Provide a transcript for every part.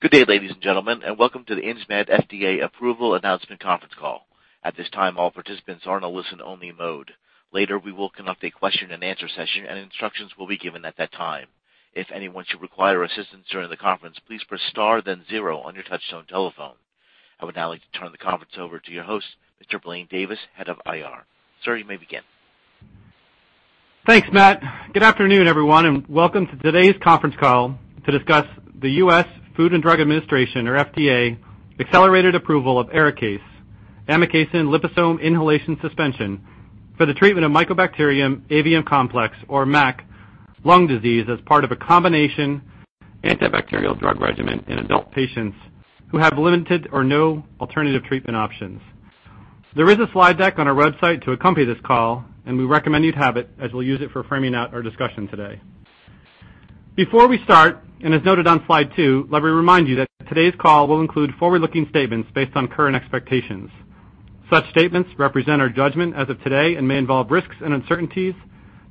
Good day, ladies and gentlemen, welcome to the Insmed FDA Approval Announcement conference call. At this time, all participants are in a listen-only mode. Later, we will conduct a question and answer session, instructions will be given at that time. If anyone should require assistance during the conference, please press star then zero on your touchtone telephone. I would now like to turn the conference over to your host, Mr. Blaine Davis, Head of IR. Sir, you may begin. Thanks, Matt. Good afternoon, everyone, welcome to today's conference call to discuss the U.S. Food and Drug Administration, or FDA, accelerated approval of ARIKAYCE, amikacin liposome inhalation suspension, for the treatment of Mycobacterium avium complex, or MAC, lung disease as part of a combination antibacterial drug regimen in adult patients who have limited or no alternative treatment options. There is a slide deck on our website to accompany this call, we recommend you have it, as we'll use it for framing out our discussion today. Before we start, as noted on slide two, let me remind you that today's call will include forward-looking statements based on current expectations. Such statements represent our judgment as of today and may involve risks and uncertainties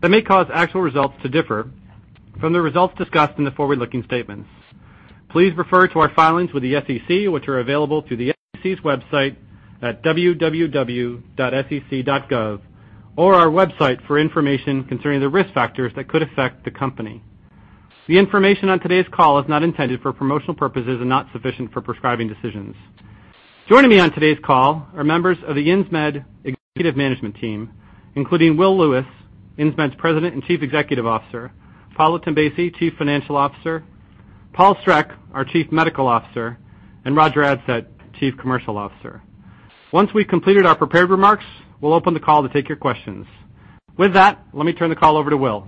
that may cause actual results to differ from the results discussed in the forward-looking statements. Please refer to our filings with the SEC, which are available through the SEC's website at www.sec.gov, or our website for information concerning the risk factors that could affect the company. The information on today's call is not intended for promotional purposes and not sufficient for prescribing decisions. Joining me on today's call are members of the Insmed Executive Management Team, including Will Lewis, Insmed's President and Chief Executive Officer, Paolo Tombesi, Chief Financial Officer, Paul Streck, our Chief Medical Officer, and Roger Adsett, Chief Commercial Officer. Once we've completed our prepared remarks, we'll open the call to take your questions. With that, let me turn the call over to Will.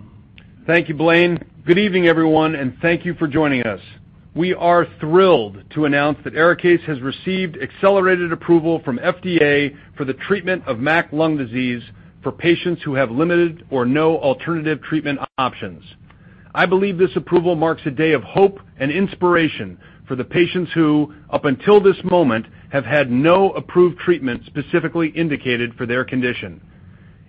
Thank you, Blaine. Good evening, everyone, thank you for joining us. We are thrilled to announce that ARIKAYCE has received accelerated approval from FDA for the treatment of MAC lung disease for patients who have limited or no alternative treatment options. I believe this approval marks a day of hope and inspiration for the patients who, up until this moment, have had no approved treatment specifically indicated for their condition.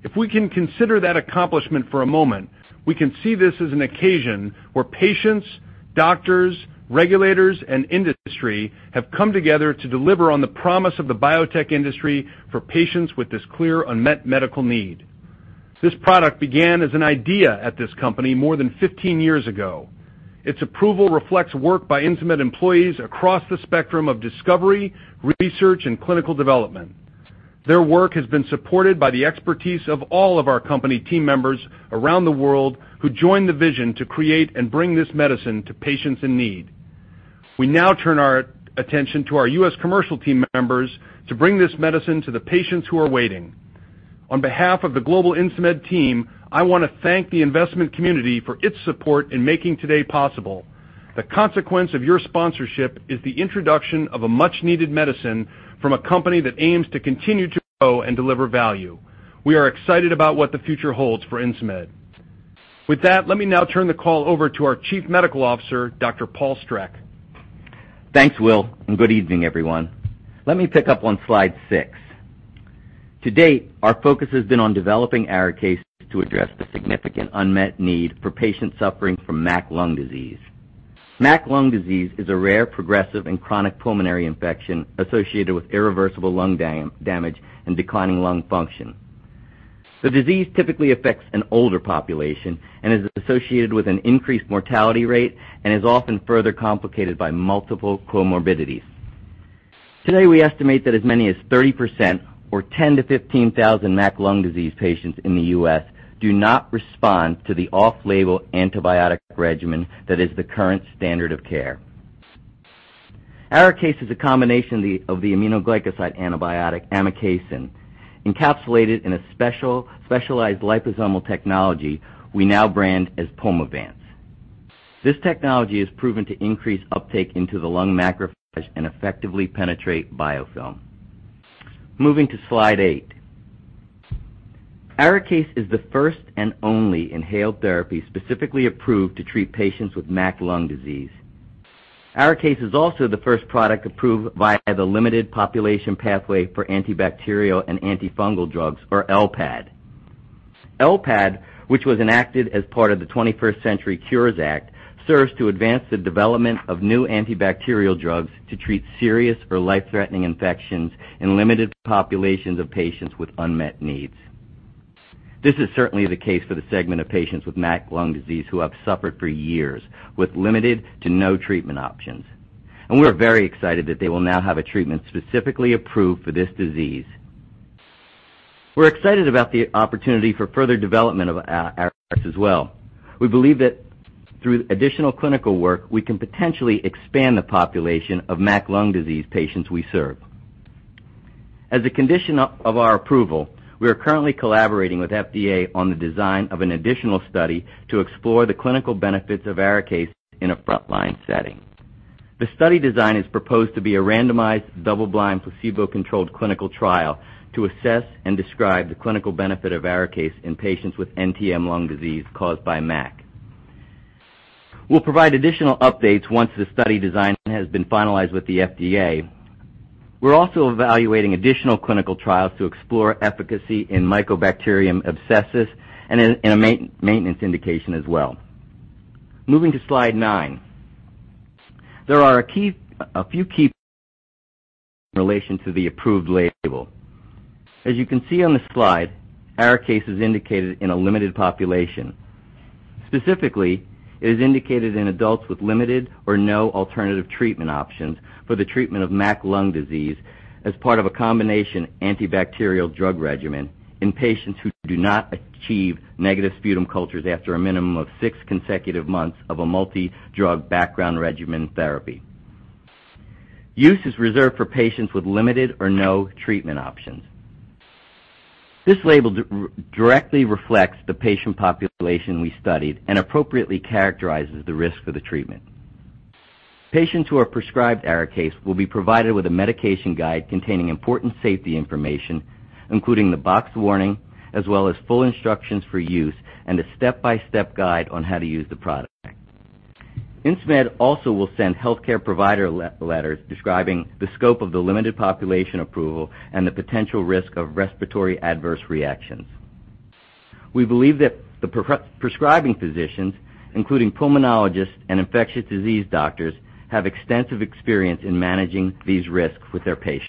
If we can consider that accomplishment for a moment, we can see this as an occasion where patients, doctors, regulators, and industry have come together to deliver on the promise of the biotech industry for patients with this clear unmet medical need. This product began as an idea at this company more than 15 years ago. Its approval reflects work by Insmed employees across the spectrum of discovery, research, and clinical development. Their work has been supported by the expertise of all of our company team members around the world who join the vision to create and bring this medicine to patients in need. We now turn our attention to our U.S. commercial team members to bring this medicine to the patients who are waiting. On behalf of the global Insmed team, I want to thank the investment community for its support in making today possible. The consequence of your sponsorship is the introduction of a much-needed medicine from a company that aims to continue to grow and deliver value. We are excited about what the future holds for Insmed. With that, let me now turn the call over to our Chief Medical Officer, Dr. Paul Streck. Thanks, Will, and good evening, everyone. Let me pick up on slide six. To date, our focus has been on developing ARIKAYCE to address the significant unmet need for patients suffering from MAC lung disease. MAC lung disease is a rare, progressive, and chronic pulmonary infection associated with irreversible lung damage and declining lung function. The disease typically affects an older population and is associated with an increased mortality rate and is often further complicated by multiple comorbidities. Today, we estimate that as many as 30%, or 10,000-15,000 MAC lung disease patients in the U.S. do not respond to the off-label antibiotic regimen that is the current standard of care. ARIKAYCE is a combination of the aminoglycoside antibiotic amikacin, encapsulated in a specialized liposomal technology we now brand as PULMOVANCE. This technology is proven to increase uptake into the lung macrophage and effectively penetrate biofilm. Moving to slide eight. ARIKAYCE is the first and only inhaled therapy specifically approved to treat patients with MAC lung disease. ARIKAYCE is also the first product approved via the Limited Population Pathway for Antibacterial and Antifungal Drugs, or LPAD. LPAD, which was enacted as part of the 21st Century Cures Act, serves to advance the development of new antibacterial drugs to treat serious or life-threatening infections in limited populations of patients with unmet needs. This is certainly the case for the segment of patients with MAC lung disease who have suffered for years with limited to no treatment options. We're very excited that they will now have a treatment specifically approved for this disease. We're excited about the opportunity for further development of ARIKAYCE as well. We believe that through additional clinical work, we can potentially expand the population of MAC lung disease patients we serve. As a condition of our approval, we are currently collaborating with FDA on the design of an additional study to explore the clinical benefits of ARIKAYCE in a frontline setting. The study design is proposed to be a randomized, double-blind, placebo-controlled clinical trial to assess and describe the clinical benefit of ARIKAYCE in patients with NTM lung disease caused by MAC. We'll provide additional updates once the study design has been finalized with the FDA. We're also evaluating additional clinical trials to explore efficacy in Mycobacterium abscessus and in a maintenance indication as well. Moving to slide nine. There are a few key points in relation to the approved label. As you can see on the slide, ARIKAYCE is indicated in a limited population. Specifically, it is indicated in adults with limited or no alternative treatment options for the treatment of MAC lung disease as part of a combination antibacterial drug regimen in patients who do not achieve negative sputum cultures after a minimum of six consecutive months of a multi-drug background regimen therapy. Use is reserved for patients with limited or no treatment options. This label directly reflects the patient population we studied and appropriately characterizes the risk of the treatment. Patients who are prescribed ARIKAYCE will be provided with a medication guide containing important safety information, including the box warning, as well as full instructions for use and a step-by-step guide on how to use the product. Insmed also will send healthcare provider letters describing the scope of the limited population approval and the potential risk of respiratory adverse reactions. We believe that the prescribing physicians, including pulmonologists and infectious disease doctors, have extensive experience in managing these risks with their patients.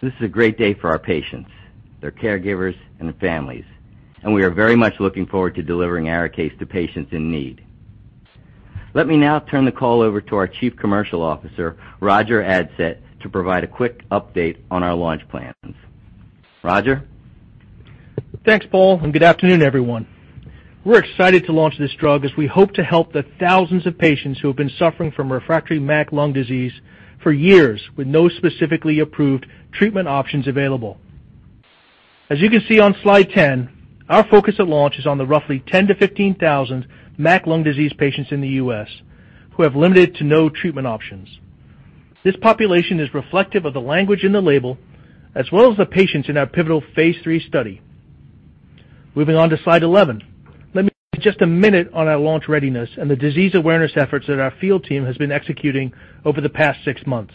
This is a great day for our patients, their caregivers, and their families, and we are very much looking forward to delivering ARIKAYCE to patients in need. Let me now turn the call over to our chief commercial officer, Roger Adsett, to provide a quick update on our launch plans. Roger? Thanks, Paul, and good afternoon, everyone. We're excited to launch this drug as we hope to help the thousands of patients who have been suffering from refractory MAC lung disease for years with no specifically approved treatment options available. As you can see on slide 10, our focus at launch is on the roughly 10,000-15,000 MAC lung disease patients in the U.S. who have limited to no treatment options. This population is reflective of the language in the label, as well as the patients in our pivotal phase III study. Moving on to slide 11. Let me spend just a minute on our launch readiness and the disease awareness efforts that our field team has been executing over the past six months.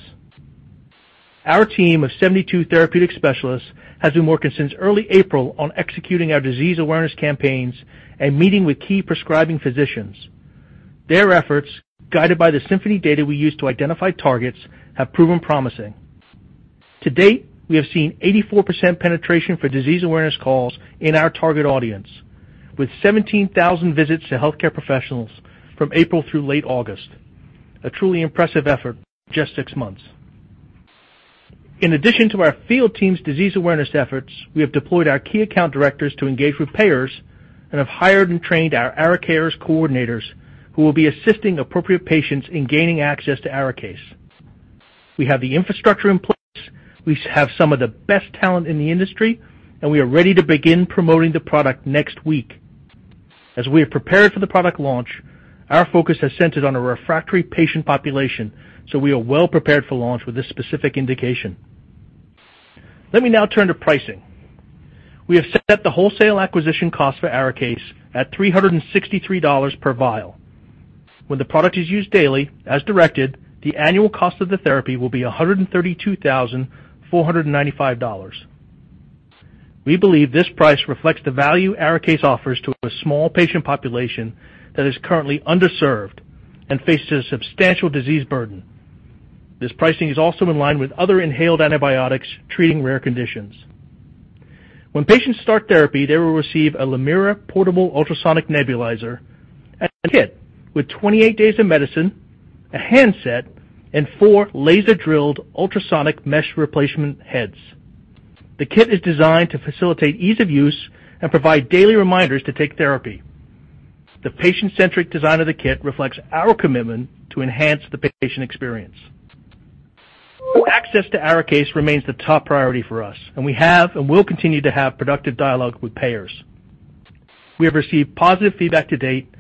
Our team of 72 therapeutic specialists has been working since early April on executing our disease awareness campaigns and meeting with key prescribing physicians. Their efforts, guided by the Symphony data we use to identify targets, have proven promising. To date, we have seen 84% penetration for disease awareness calls in our target audience, with 17,000 visits to healthcare professionals from April through late August. A truly impressive effort in just six months. In addition to our field team's disease awareness efforts, we have deployed our key account directors to engage with payers and have hired and trained our ARIKAYCE coordinators who will be assisting appropriate patients in gaining access to ARIKAYCE. We have the infrastructure in place. We have some of the best talent in the industry, and we are ready to begin promoting the product next week. As we have prepared for the product launch, our focus has centered on a refractory patient population, so we are well prepared for launch with this specific indication. Let me now turn to pricing. We have set the wholesale acquisition cost for ARIKAYCE at $363 per vial. When the product is used daily, as directed, the annual cost of the therapy will be $132,495. We believe this price reflects the value ARIKAYCE offers to a small patient population that is currently underserved and faces a substantial disease burden. This pricing is also in line with other inhaled antibiotics treating rare conditions. When patients start therapy, they will receive a Lamira portable ultrasonic nebulizer and a kit with 28 days of medicine, a handset, and four laser-drilled ultrasonic mesh replacement heads. The kit is designed to facilitate ease of use and provide daily reminders to take therapy. The patient-centric design of the kit reflects our commitment to enhance the patient experience. Access to ARIKAYCE remains the top priority for us, and we have and will continue to have productive dialogue with payers. We have received positive feedback to date,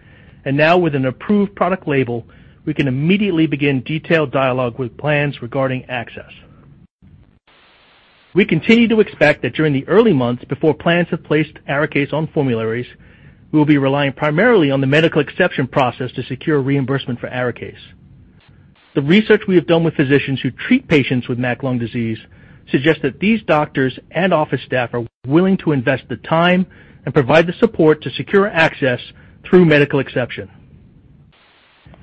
and now with an approved product label, we can immediately begin detailed dialogue with plans regarding access. We continue to expect that during the early months before plans have placed ARIKAYCE on formularies, we will be relying primarily on the medical exception process to secure reimbursement for ARIKAYCE. The research we have done with physicians who treat patients with MAC lung disease suggests that these doctors and office staff are willing to invest the time and provide the support to secure access through medical exception.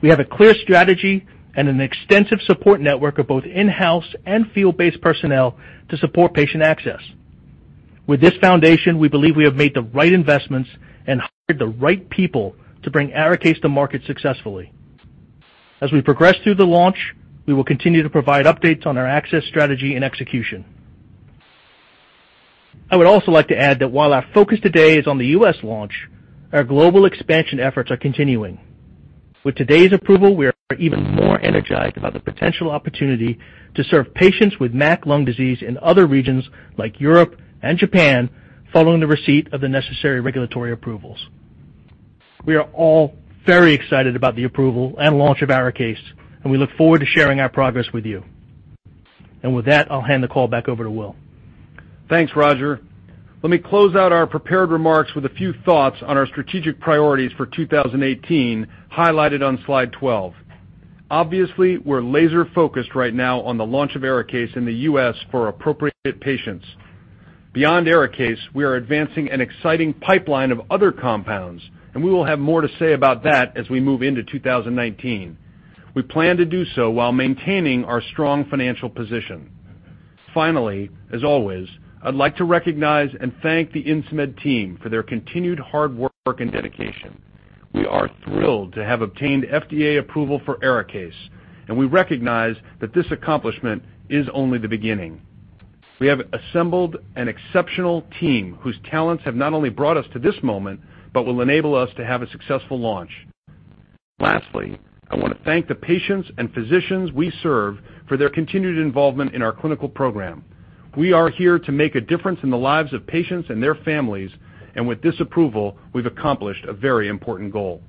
We have a clear strategy and an extensive support network of both in-house and field-based personnel to support patient access. With this foundation, we believe we have made the right investments and hired the right people to bring ARIKAYCE to market successfully. As we progress through the launch, we will continue to provide updates on our access strategy and execution. I would also like to add that while our focus today is on the U.S. launch, our global expansion efforts are continuing. With today's approval, we are even more energized about the potential opportunity to serve patients with MAC lung disease in other regions like Europe and Japan following the receipt of the necessary regulatory approvals. We are all very excited about the approval and launch of ARIKAYCE, and we look forward to sharing our progress with you. With that, I'll hand the call back over to Will. Thanks, Roger. Let me close out our prepared remarks with a few thoughts on our strategic priorities for 2018, highlighted on slide 12. Obviously, we're laser-focused right now on the launch of ARIKAYCE in the U.S. for appropriate patients. Beyond ARIKAYCE, we are advancing an exciting pipeline of other compounds, and we will have more to say about that as we move into 2019. We plan to do so while maintaining our strong financial position. As always, I'd like to recognize and thank the Insmed team for their continued hard work and dedication. We are thrilled to have obtained FDA approval for ARIKAYCE, and we recognize that this accomplishment is only the beginning. We have assembled an exceptional team whose talents have not only brought us to this moment, but will enable us to have a successful launch. Lastly, I want to thank the patients and physicians we serve for their continued involvement in our clinical program. We are here to make a difference in the lives of patients and their families, and with this approval, we've accomplished a very important goal.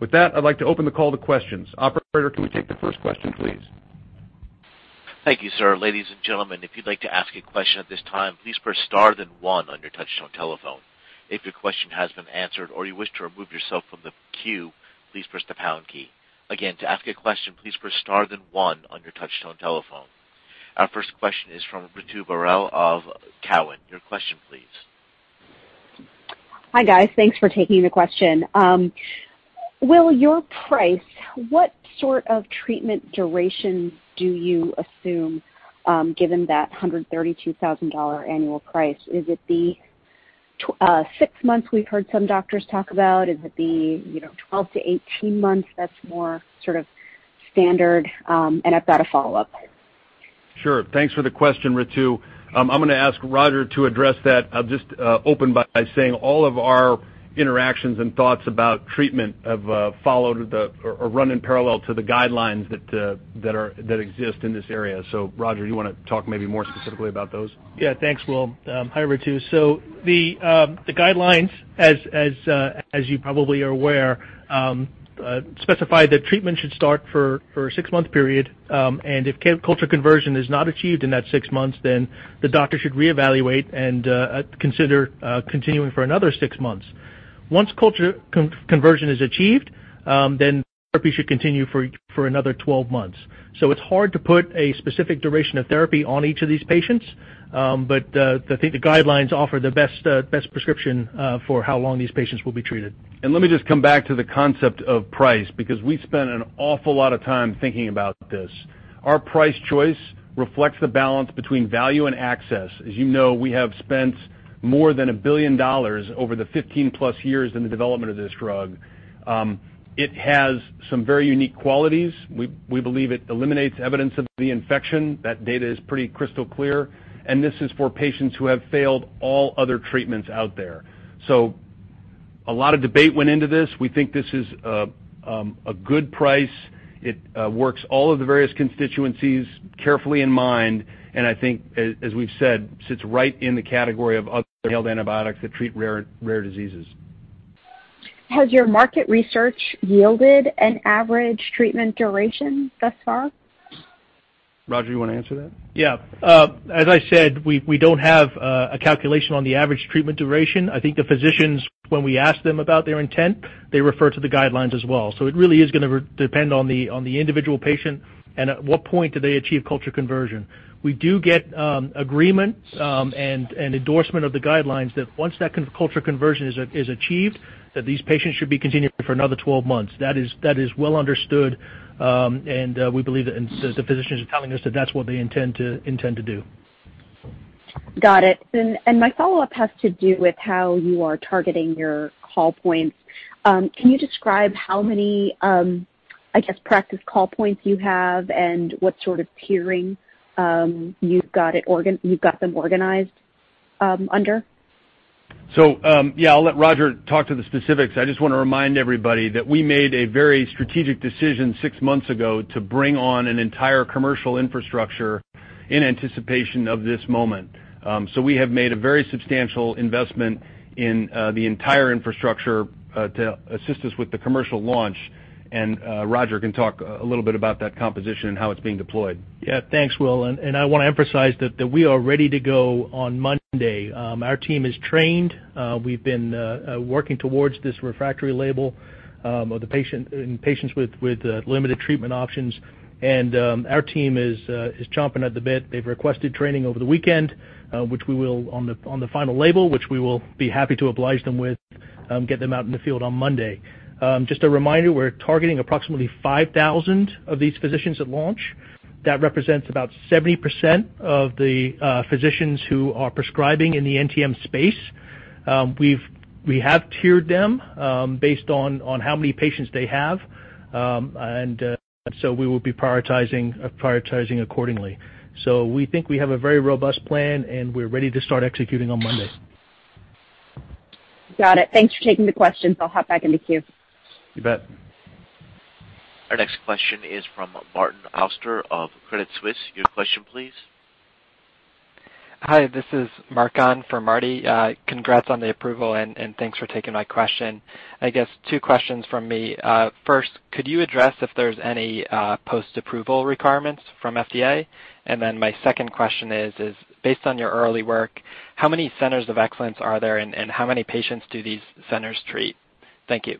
With that, I'd like to open the call to questions. Operator, can we take the first question, please? Thank you, sir. Ladies and gentlemen, if you'd like to ask a question at this time, please press star then one on your touchtone telephone. If your question has been answered or you wish to remove yourself from the queue, please press the pound key. Again, to ask a question, please press star then one on your touchtone telephone. Our first question is from Ritu Baral of Cowen. Your question, please. Hi, guys. Thanks for taking the question. Will, your price, what sort of treatment duration do you assume, given that $132,000 annual price? Is it the six months we've heard some doctors talk about? Is it the 12 to 18 months that's more standard? I've got a follow-up. Sure. Thanks for the question, Ritu. I'm going to ask Roger to address that. I'll just open by saying all of our interactions and thoughts about treatment have followed or run in parallel to the guidelines that exist in this area. Roger, do you want to talk maybe more specifically about those? Yeah. Thanks, Will. Hi, Ritu Baral. The guidelines, as you probably are aware, specify that treatment should start for a six-month period, and if culture conversion is not achieved in that six months, the doctor should reevaluate and consider continuing for another six months. Once culture conversion is achieved, therapy should continue for another 12 months. It's hard to put a specific duration of therapy on each of these patients. I think the guidelines offer the best prescription for how long these patients will be treated. Let me just come back to the concept of price, because we spent an awful lot of time thinking about this. Our price choice reflects the balance between value and access. As you know, we have spent more than $1 billion over the 15+ years in the development of this drug. It has some very unique qualities. We believe it eliminates evidence of the infection. That data is pretty crystal clear, and this is for patients who have failed all other treatments out there. A lot of debate went into this. We think this is a good price. It works all of the various constituencies carefully in mind, and I think, as we've said, sits right in the category of other inhaled antibiotics that treat rare diseases. Has your market research yielded an average treatment duration thus far? Roger, you want to answer that? As I said, we don't have a calculation on the average treatment duration. I think the physicians, when we ask them about their intent, they refer to the guidelines as well. It really is going to depend on the individual patient and at what point do they achieve culture conversion. We do get agreement and endorsement of the guidelines that once that culture conversion is achieved, that these patients should be continuing for another 12 months. That is well understood, and we believe that the physicians are telling us that that's what they intend to do. Got it. My follow-up has to do with how you are targeting your call points. Can you describe how many practice call points you have and what sort of tiering you've got them organized under? I'll let Roger talk to the specifics. I just want to remind everybody that we made a very strategic decision six months ago to bring on an entire commercial infrastructure in anticipation of this moment. We have made a very substantial investment in the entire infrastructure to assist us with the commercial launch, and Roger can talk a little bit about that composition and how it's being deployed. Thanks, Will, I want to emphasize that we are ready to go on Monday. Our team is trained. We've been working towards this refractory label in patients with limited treatment options, our team is chomping at the bit. They've requested training over the weekend on the final label, which we will be happy to oblige them with, get them out in the field on Monday. Just a reminder, we're targeting approximately 5,000 of these physicians at launch. That represents about 70% of the physicians who are prescribing in the NTM space. We have tiered them based on how many patients they have. We will be prioritizing accordingly. We think we have a very robust plan, and we're ready to start executing on Monday. Got it. Thanks for taking the questions. I'll hop back in the queue. You bet. Our next question is from Martin Auster of Credit Suisse. Your question, please. Hi, this is Martin for Marty. Congrats on the approval, and thanks for taking my question. I guess two questions from me. First, could you address if there's any post-approval requirements from FDA? My second question is, based on your early work, how many centers of excellence are there, and how many patients do these centers treat? Thank you.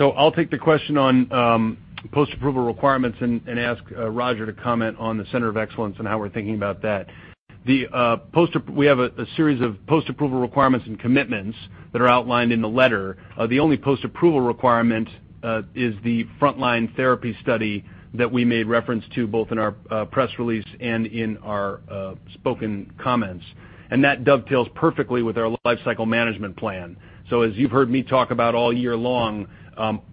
I'll take the question on post-approval requirements and ask Roger to comment on the Center of Excellence and how we're thinking about that. We have a series of post-approval requirements and commitments that are outlined in the letter. The only post-approval requirement is the frontline therapy study that we made reference to both in our press release and in our spoken comments. That dovetails perfectly with our life cycle management plan. As you've heard me talk about all year long,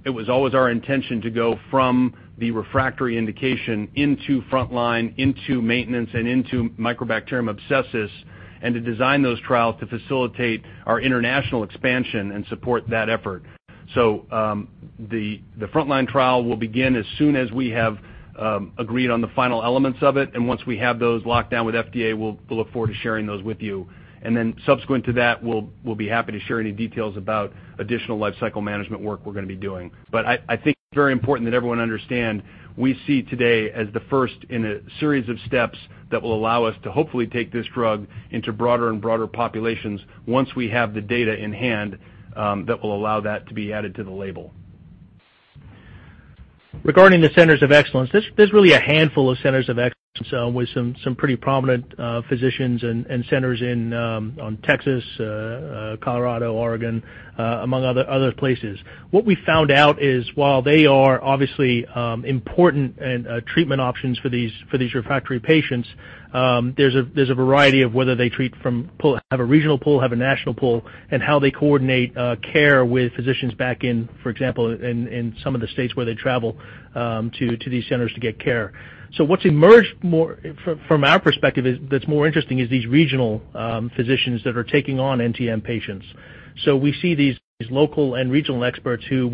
it was always our intention to go from the refractory indication into frontline, into maintenance, and into Mycobacterium abscessus, and to design those trials to facilitate our international expansion and support that effort. The frontline trial will begin as soon as we have agreed on the final elements of it, and once we have those locked down with FDA, we'll look forward to sharing those with you. Then subsequent to that, we'll be happy to share any details about additional life cycle management work we're going to be doing. I think it's very important that everyone understand, we see today as the first in a series of steps that will allow us to hopefully take this drug into broader and broader populations once we have the data in hand that will allow that to be added to the label. Regarding the Centers of Excellence, there's really a handful of Centers of Excellence with some pretty prominent physicians and centers in Texas, Colorado, Oregon, among other places. What we found out is, while they are obviously important treatment options for these refractory patients, there's a variety of whether they have a regional pool, have a national pool, and how they coordinate care with physicians back in, for example, in some of the states where they travel to these centers to get care. What's emerged more from our perspective, that's more interesting, is these regional physicians that are taking on NTM patients. We see these local and regional experts who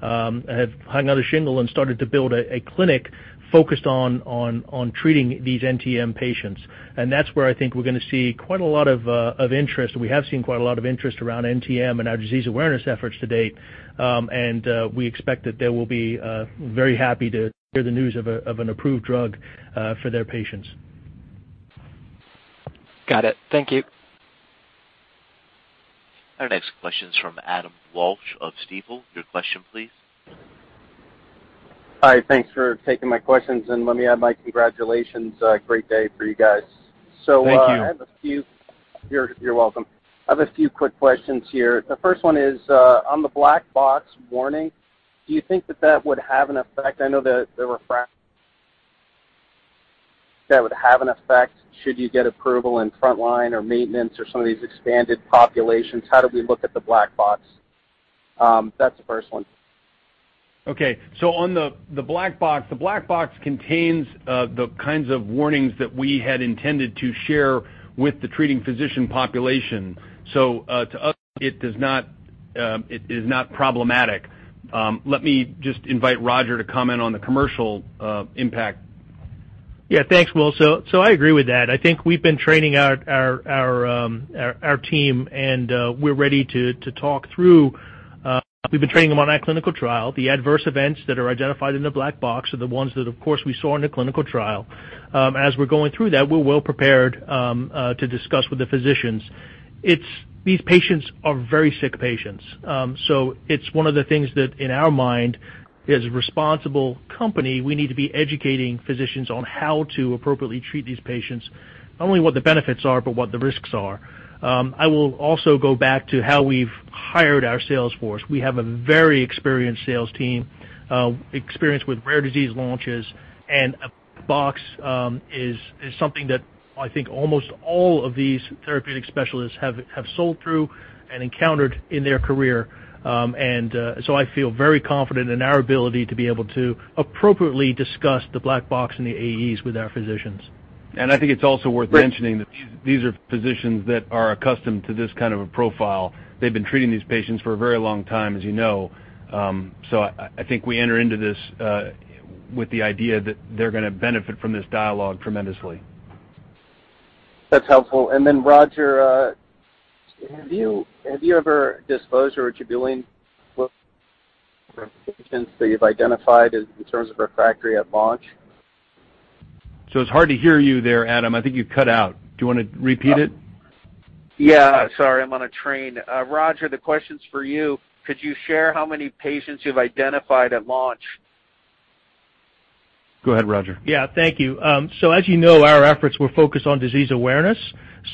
have hung out a shingle and started to build a clinic focused on treating these NTM patients. That's where I think we're going to see quite a lot of interest, and we have seen quite a lot of interest around NTM and our disease awareness efforts to date. We expect that they will be very happy to hear the news of an approved drug for their patients. Got it. Thank you. Our next question is from Adam Walsh of Stifel. Your question, please. Hi, thanks for taking my questions. Let me add my congratulations. Great day for you guys. Thank you. You're welcome. I have a few quick questions here. The first one is, on the black box warning, do you think that would have an effect? I know that would have an effect should you get approval in frontline, or maintenance, or some of these expanded populations. How do we look at the black box? That's the first one. On the black box, the black box contains the kinds of warnings that we had intended to share with the treating physician population. To us, it is not problematic. Let me just invite Roger to comment on the commercial impact. Yeah, thanks, Will. I agree with that. I think we've been training our team, and we're ready to talk through. We've been training them on our clinical trial. The adverse events that are identified in the black box are the ones that, of course, we saw in the clinical trial. As we're going through that, we're well prepared to discuss with the physicians. These patients are very sick patients. It's one of the things that, in our mind, as a responsible company, we need to be educating physicians on how to appropriately treat these patients. Not only what the benefits are, but what the risks are. I will also go back to how we've hired our sales force. We have a very experienced sales team, experienced with rare disease launches, and a black box is something that I think almost all of these therapeutic specialists have sold through and encountered in their career. I feel very confident in our ability to be able to appropriately discuss the black box and the AEs with our physicians. I think it's also worth mentioning that these are physicians that are accustomed to this kind of a profile. They've been treating these patients for a very long time, as you know. I think we enter into this with the idea that they're going to benefit from this dialogue tremendously. That's helpful. Roger, have you ever disclosed or [inaudible] that you've identified in terms of refractory at launch? It's hard to hear you there, Adam. I think you cut out. Do you want to repeat it? Yeah. Sorry, I'm on a train. Roger, the question's for you. Could you share how many patients you've identified at launch? Go ahead, Roger. As you know, our efforts were focused on disease awareness.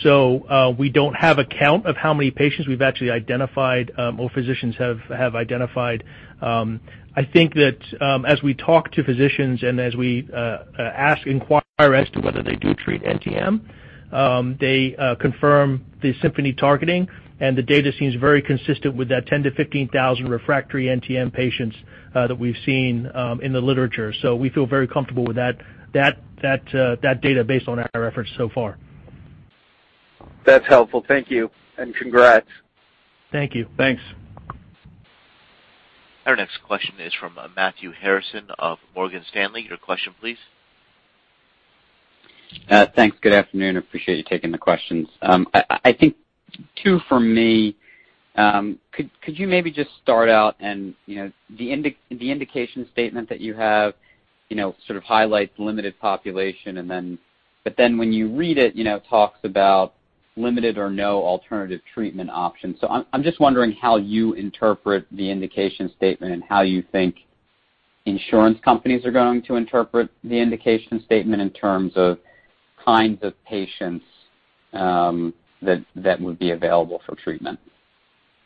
We don't have a count of how many patients we've actually identified, or physicians have identified. I think that as we talk to physicians and as we ask, inquire as to whether they do treat NTM, they confirm the Symphony Health targeting, and the data seems very consistent with that 10,000-15,000 refractory NTM patients that we've seen in the literature. We feel very comfortable with that data based on our efforts so far. That's helpful. Thank you, and congrats. Thank you. Thanks. Our next question is from Matthew Harrison of Morgan Stanley. Your question, please. Thanks. Good afternoon. Appreciate you taking the questions. I think two from me. Could you maybe just start out the indication statement that you have sort of highlights limited population, when you read it talks about limited or no alternative treatment options. I'm just wondering how you interpret the indication statement and how you think insurance companies are going to interpret the indication statement in terms of kinds of patients that would be available for treatment.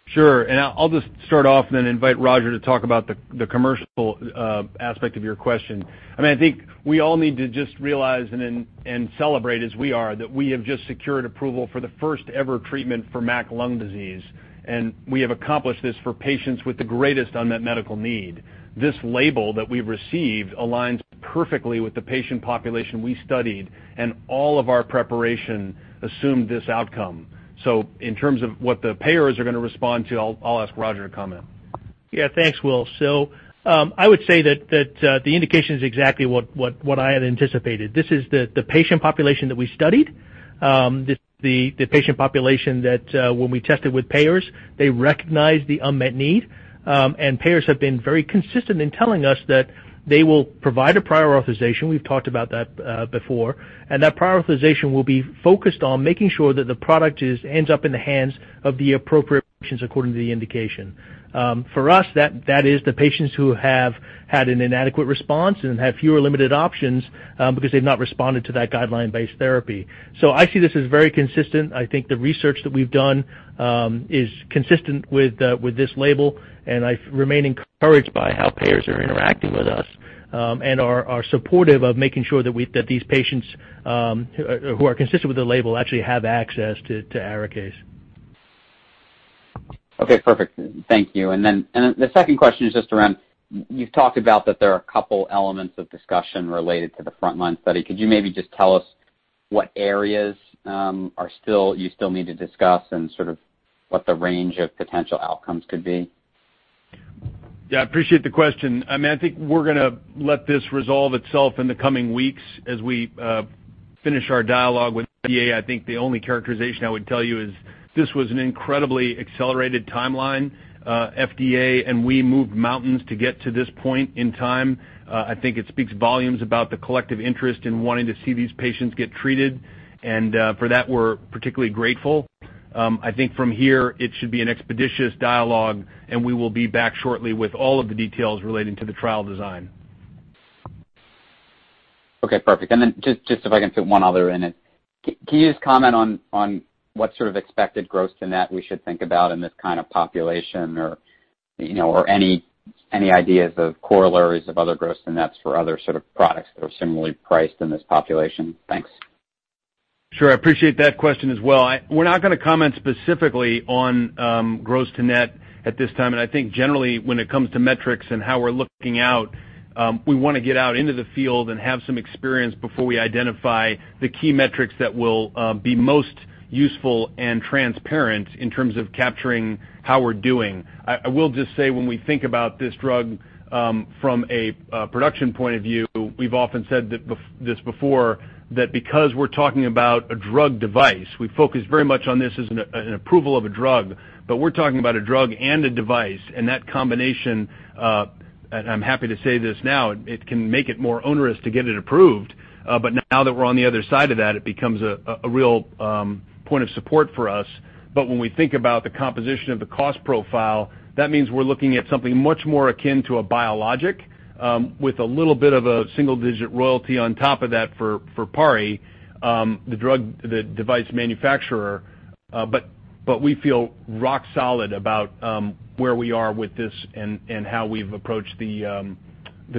Sure. I'll just start off then invite Roger to talk about the commercial aspect of your question. I think we all need to just realize and celebrate, as we are, that we have just secured approval for the first-ever treatment for MAC lung disease, we have accomplished this for patients with the greatest unmet medical need. This label that we've received aligns perfectly with the patient population we studied, all of our preparation assumed this outcome. In terms of what the payers are going to respond to, I'll ask Roger to comment. Thanks, Will. I would say that the indication is exactly what I had anticipated. This is the patient population that we studied, the patient population that when we tested with payers, they recognized the unmet need. Payers have been very consistent in telling us that they will provide a prior authorization, we've talked about that before, and that prior authorization will be focused on making sure that the product ends up in the hands of the appropriate patients according to the indication. For us, that is the patients who have had an inadequate response and have few or limited options because they've not responded to that guideline-based therapy. I see this as very consistent. I think the research that we've done is consistent with this label, and I remain encouraged by how payers are interacting with us and are supportive of making sure that these patients who are consistent with the label actually have access to ARIKAYCE. Perfect. Thank you. The second question is just around, you've talked about that there are a couple elements of discussion related to the frontline study. Could you maybe just tell us what areas you still need to discuss and sort of what the range of potential outcomes could be? I appreciate the question. I think we're going to let this resolve itself in the coming weeks as we finish our dialogue with the FDA. I think the only characterization I would tell you is this was an incredibly accelerated timeline. FDA and we moved mountains to get to this point in time. I think it speaks volumes about the collective interest in wanting to see these patients get treated, and for that, we're particularly grateful. I think from here it should be an expeditious dialogue, and we will be back shortly with all of the details relating to the trial design. Okay, perfect. Then just if I can fit one other in it. Can you just comment on what sort of expected gross to net we should think about in this kind of population or any ideas of corollaries of other gross to nets for other sort of products that are similarly priced in this population? Thanks. Sure. I appreciate that question as well. We're not going to comment specifically on gross to net at this time. I think generally when it comes to metrics and how we're looking out, we want to get out into the field and have some experience before we identify the key metrics that will be most useful and transparent in terms of capturing how we're doing. I will just say when we think about this drug from a production point of view, we've often said this before, that because we're talking about a drug device, we focus very much on this as an approval of a drug, but we're talking about a drug and a device, and that combination, I'm happy to say this now, it can make it more onerous to get it approved. Now that we're on the other side of that, it becomes a real point of support for us. When we think about the composition of the cost profile, that means we're looking at something much more akin to a biologic with a little bit of a single-digit royalty on top of that for PARI, the device manufacturer. We feel rock solid about where we are with this and how we've approached the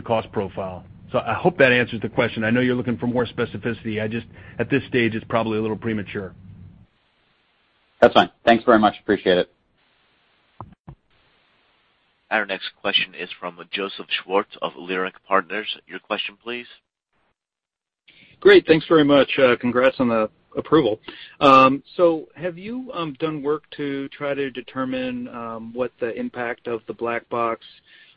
cost profile. I hope that answers the question. I know you're looking for more specificity. At this stage, it's probably a little premature. That's fine. Thanks very much. Appreciate it. Our next question is from Joseph Schwartz of Leerink Partners. Your question, please. Great. Thanks very much. Congrats on the approval. Have you done work to try to determine what the impact of the black box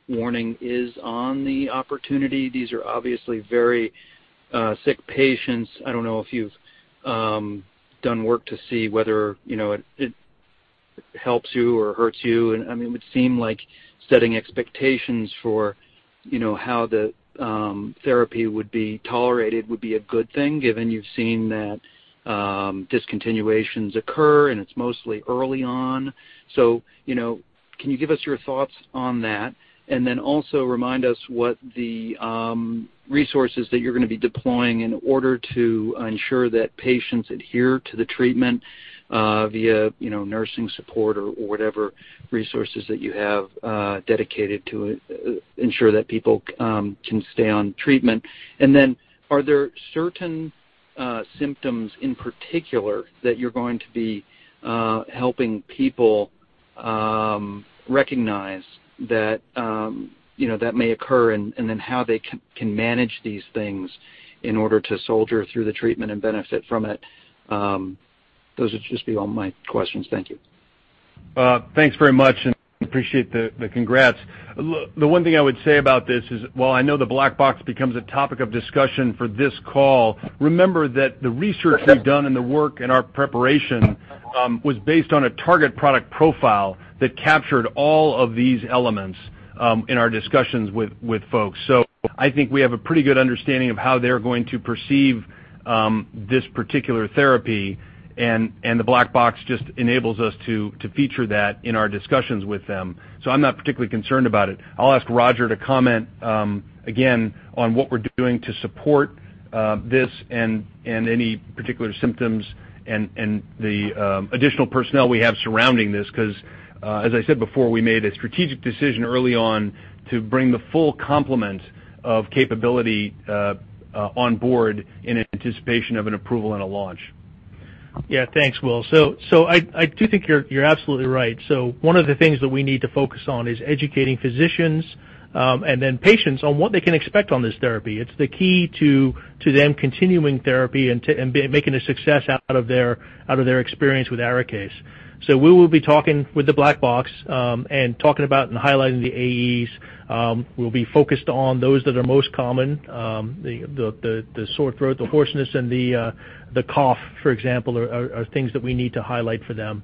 warning is on the opportunity? These are obviously very sick patients. I don't know if you've done work to see whether it helps you or hurts you. It would seem like setting expectations for how the therapy would be tolerated would be a good thing given you've seen that discontinuations occur and it's mostly early on. Can you give us your thoughts on that? Also remind us what the resources that you're going to be deploying in order to ensure that patients adhere to the treatment via nursing support or whatever resources that you have dedicated to ensure that people can stay on treatment. Are there certain symptoms in particular that you're going to be helping people recognize that may occur and then how they can manage these things in order to soldier through the treatment and benefit from it? Those would just be all my questions. Thank you. Thanks very much, and appreciate the congrats. The one thing I would say about this is, while I know the black box becomes a topic of discussion for this call, remember that the research we've done and the work and our preparation was based on a target product profile that captured all of these elements in our discussions with folks. I think we have a pretty good understanding of how they're going to perceive this particular therapy and the black box just enables us to feature that in our discussions with them. I'm not particularly concerned about it. I'll ask Roger to comment, again on what we're doing to support this and any particular symptoms and the additional personnel we have surrounding this because, as I said before, we made a strategic decision early on to bring the full complement of capability on board in anticipation of an approval and a launch. Yeah, thanks, Will. I do think you're absolutely right. One of the things that we need to focus on is educating physicians, and then patients on what they can expect on this therapy. It's the key to them continuing therapy and making a success out of their experience with ARIKAYCE. We will be talking with the black box, and talking about and highlighting the AEs. We'll be focused on those that are most common, the sore throat, the hoarseness, and the cough, for example, are things that we need to highlight for them.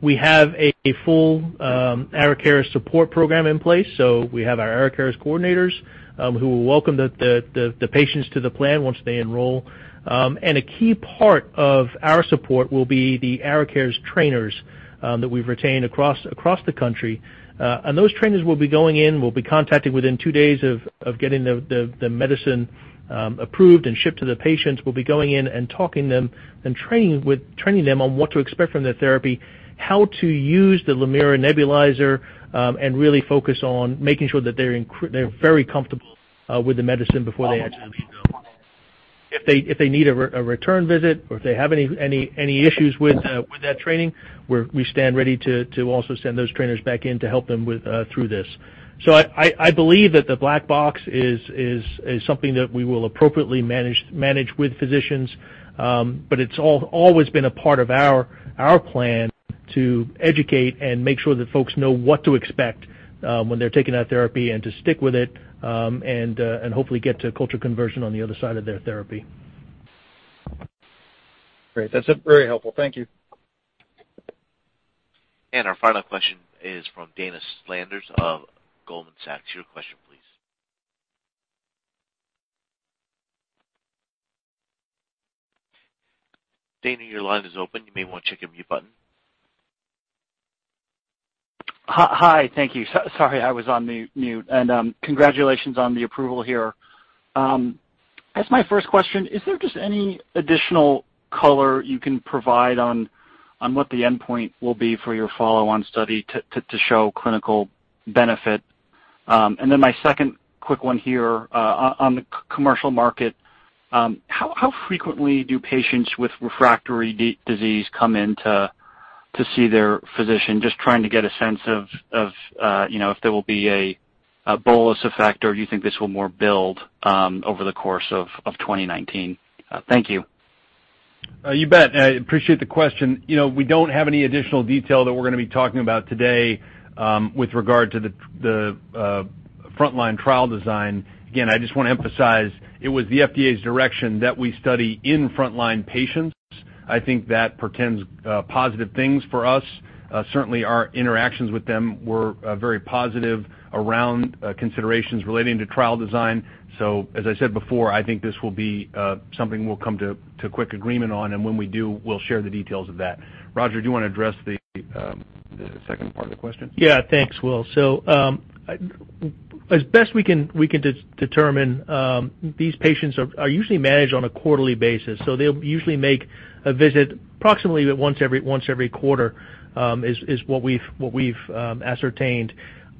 We have a full ARIKAYCE support program in place. We have our ARIKAYCE coordinators who will welcome the patients to the plan once they enroll. A key part of our support will be the ARIKAYCE trainers that we've retained across the country. Those trainers will be going in, will be contacting within two days of getting the medicine approved and shipped to the patients, will be going in and talking them and training them on what to expect from their therapy, how to use the Lamira nebulizer, and really focus on making sure that they're very comfortable with the medicine before they actually go. If they need a return visit or if they have any issues with that training, we stand ready to also send those trainers back in to help them through this. I believe that the black box is something that we will appropriately manage with physicians. It's always been a part of our plan to educate and make sure that folks know what to expect when they're taking that therapy and to stick with it, and hopefully get to culture conversion on the other side of their therapy. Great. That's very helpful. Thank you. Our final question is from Dana Flanders of Goldman Sachs. Your question, please. Dana, your line is open. You may want to check your mute button. Hi. Thank you. Sorry I was on mute. Congratulations on the approval here. As my first question, is there just any additional color you can provide on what the endpoint will be for your follow-on study to show clinical benefit? My second quick one here, on the commercial market, how frequently do patients with refractory disease come in to see their physician? Just trying to get a sense of if there will be a bolus effect or do you think this will more build over the course of 2019? Thank you. You bet. I appreciate the question. We don't have any additional detail that we're going to be talking about today with regard to the frontline trial design. Again, I just want to emphasize it was the FDA's direction that we study in frontline patients. I think that portends positive things for us. Certainly, our interactions with them were very positive around considerations relating to trial design. As I said before, I think this will be something we'll come to quick agreement on, and when we do, we'll share the details of that. Roger, do you want to address the second part of the question? Thanks, Will. As best we can determine, these patients are usually managed on a quarterly basis, so they'll usually make a visit approximately once every quarter, is what we've ascertained.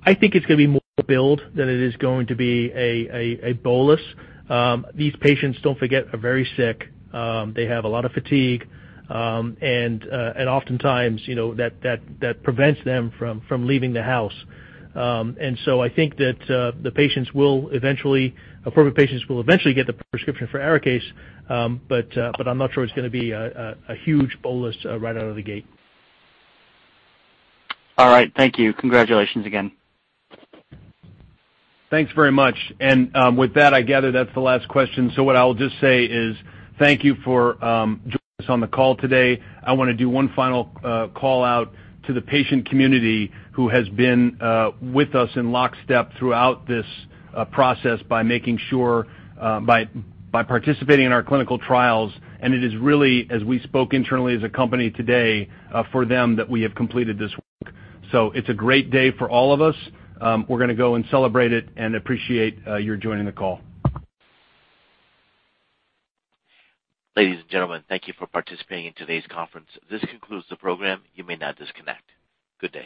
I think it's going to be more build than it is going to be a bolus. These patients, don't forget, are very sick. They have a lot of fatigue, and oftentimes, that prevents them from leaving the house. I think that appropriate patients will eventually get the prescription for ARIKAYCE, but I'm not sure it's going to be a huge bolus right out of the gate. All right. Thank you. Congratulations again. Thanks very much. With that, I gather that's the last question. What I will just say is thank you for joining us on the call today. I want to do one final callout to the patient community who has been with us in lockstep throughout this process by participating in our clinical trials. It is really, as we spoke internally as a company today, for them that we have completed this work. It's a great day for all of us. We're going to go and celebrate it and appreciate you joining the call. Ladies and gentlemen, thank you for participating in today's conference. This concludes the program. You may now disconnect. Good day